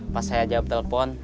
pas saya jawab telpon